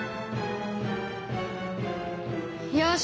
よし。